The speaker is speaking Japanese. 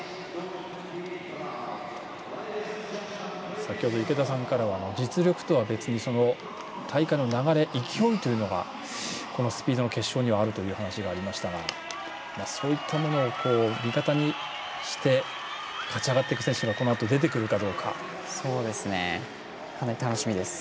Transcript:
先ほど池田さんからは実力とは別に大会の流れ勢いというのがこのスピードの決勝にはあるという話がありましたがそういったものを味方にして勝ち上がっていく選手というのがかなり楽しみです。